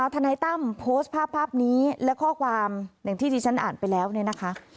ทนายตั้มโพสต์ภาพภาพนี้และข้อความอย่างที่ที่ฉันอ่านไปแล้วเนี่ยนะคะ